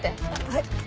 はい。